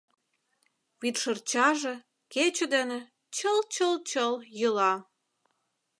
Вӱдшырчаже кече дене чыл-чыл-чыл йӱла.